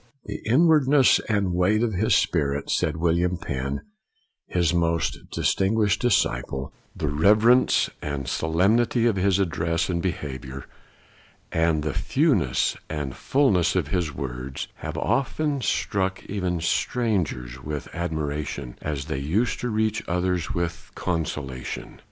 1 " The inwardness and weight of his spirit,' 1 said William Penn, his most dis tinguished disciple, " the reverence and solemnity of his address and behavior, and the fewness and fullness of his words, have often struck even strangers with admira tion, as they used to reach others with con solation.